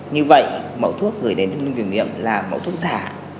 như vậy mẫu thuốc gửi đến trung tâm kiểm nghiệm là mẫu thuốc giả